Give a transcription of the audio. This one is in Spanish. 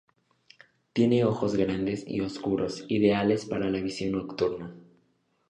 Tiene ojos grandes y oscuros ideales para la visión nocturna.